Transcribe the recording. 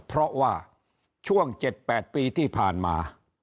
เพราะว่าช่วง๗๘ปีที่ผ่านมา